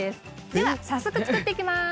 では早速作っていきます。